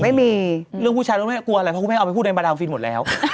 เรื่องผู้ชายเรื่องไม่ได้กลัวอะไรเพราะคุณแม่เอาไปพูดในบาดาลฟิล์มหมดแล้ว